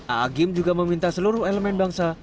a'agim juga meminta seluruh elemen bangsa